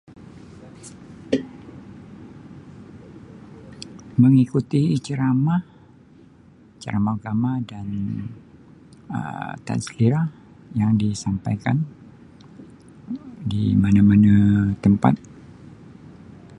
Mengikuti ceramah, ceramah agama dan Um tazkirah yang disampaikan di mana-mana tempat.